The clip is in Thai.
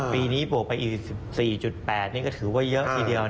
ปีนี้บวกไปอีก๑๔๘นี่ก็ถือว่าเยอะทีเดียว